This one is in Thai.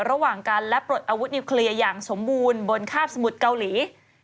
ระหว่างกันและปลดอาวุธนิวเคลียร์อย่างสมบูรณ์บนคาบสมุทรเกาหลี